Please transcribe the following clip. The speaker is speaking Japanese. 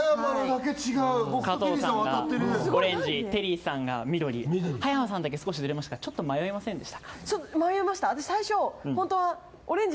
加藤さんがオレンジ、テリーさんが緑、葉山さんだけ少しずれましたが、ちょっと迷いませんでした？